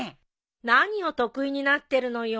何を得意になってるのよ。